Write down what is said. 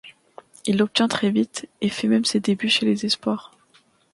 Il l'obtient très vite, et fait même ses débuts chez les espoirs.